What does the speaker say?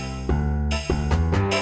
beruntung partido ya